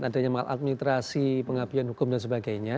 adanya maladministrasi pengabdian hukum dan sebagainya